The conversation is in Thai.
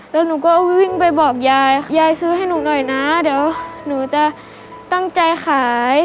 แล้วหนูก็วิ่งไปบอกยายยายซื้อให้หนูหน่อยนะเดี๋ยวหนูจะตั้งใจขาย